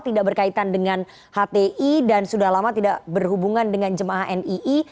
tidak berkaitan dengan hti dan sudah lama tidak berhubungan dengan jemaah nii